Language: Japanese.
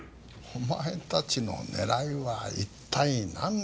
お前たちの狙いは一体なんなんだ？